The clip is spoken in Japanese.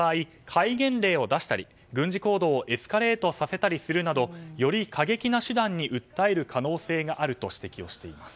戒厳令を出したり、軍事行動をエスカレートさせたりするなどより過激な手段に訴える可能性があると指摘しています。